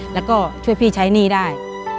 แล้วก็ช่วยพี่ใช้หนี้ได้